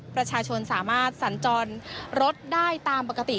ประชาชนสามารถสัญจรรถได้ตามปกติ